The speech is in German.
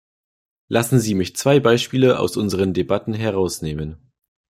Lassen Sie mich zwei Beispiele aus unseren Debatten herausnehmen.